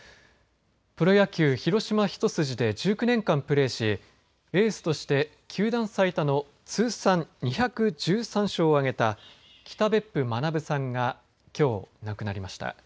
プロ野球、広島一筋で１９年間プレーし、エースとして球団最多の通算２１３勝を挙げた北別府学さんが、きょう亡くなりました。